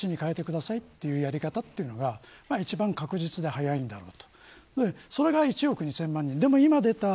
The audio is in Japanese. こっちに変えてくださいというやり方というのが一番確実で早いんだろう。